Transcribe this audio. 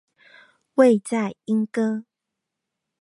位在鶯歌